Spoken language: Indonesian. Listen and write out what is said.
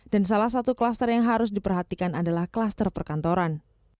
dan salah satu klaster yang harus diperhatikan adalah klaster perkantoran